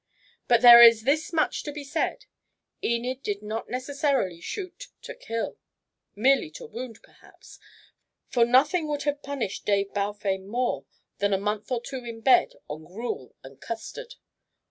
"But there is this much to be said: Enid did not necessarily shoot to kill, merely to wound perhaps, for nothing would have punished Dave Balfame more than a month or two in bed on gruel and custard.